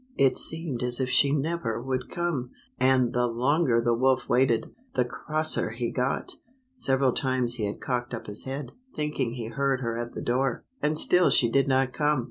It seemed as if she never would come ! and the longer the wolf waited, the crosser he got ! Several times he had cocked up his head, thinking he heard her at the door, and still she did not come.